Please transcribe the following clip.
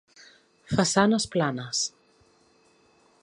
Façanes planes.